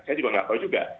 saya juga nggak tahu juga